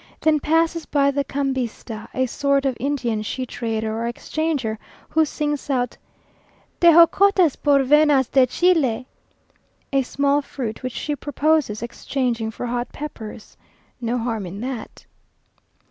Then passes by the cambista, a sort of Indian she trader or exchanger, who sings out, "Tejocotes por venas de chile?" a small fruit which she proposes exchanging for hot peppers. No harm in that.